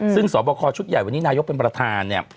ซึ่งสอบคอชุดใหญ่วันนี้นายกเป็นประธานเนี่ย